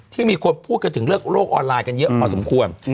ที่มีคนพูดกันถึงเรื่องโลกออนไลน์กันเยอะพอสมควร